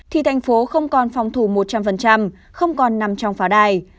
thì thành phố không còn phòng thủ một trăm linh không còn nằm trong pháo đài